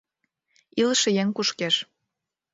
Илыше еҥ кушкеш.